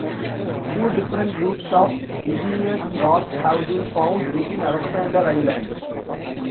Two different groups of igneous rock have been found within Alexander Island.